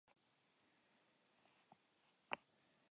Tenperaturan aldaketarik ez, balio atseginetan mantenduz.